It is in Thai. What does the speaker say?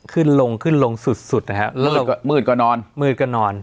ขึ้นลงขึ้นลงสุดสุดนะครับมืดกว่านอนมืดกว่านอน